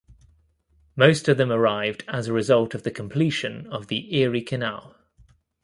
Most of them arrived as a result of the completion of the Erie Canal.